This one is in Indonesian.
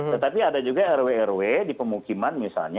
tetapi ada juga rw rw di pemukiman misalnya